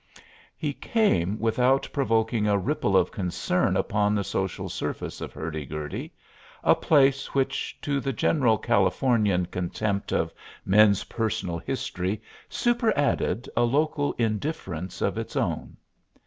He came without provoking a ripple of concern upon the social surface of Hurdy Gurdy a place which to the general Californian contempt of men's personal history superadded a local indifference of its own.